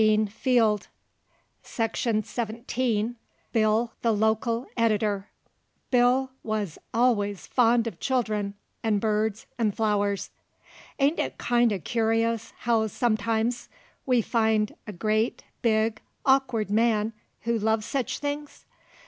1889. +BILL, THE LOKIL EDITOR+ BILL, THE LOKIL EDITOR Bill wuz alluz fond uv children 'nd birds 'nd flowers. Ain't it kind o' curious how sometimes we find a great, big, awkward man who loves sech things?